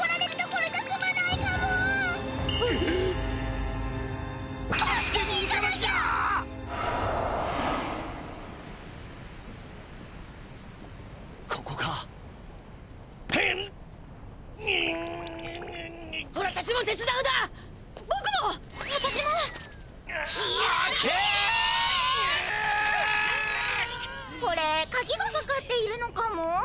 これかぎがかかっているのかも？